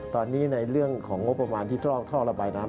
ตอนนี้ในเรื่องของงบประมาณที่ตรอกท่อระบายน้ำ